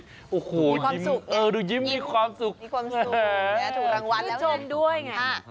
มีความสุขเนี่ยมีความสุขมีความสุขถูกรางวัลแล้วนะคุณชมด้วยไง